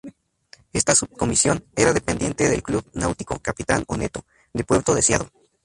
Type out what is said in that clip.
Esta subcomisión era dependiente del club náutico "Capitán Oneto", de Puerto Deseado.